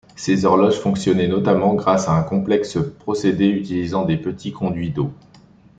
Ses horloges fonctionnaient notamment grâce à un complexe procédé utilisant de petits conduits d'eau.